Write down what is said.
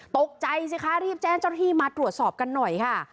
ตกใจสิคะรีบแจ้งเจ้าหน้าที่มาตรวจสอบกันหน่อยค่ะ